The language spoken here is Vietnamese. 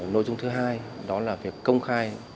nội dung thứ hai đó là việc công khai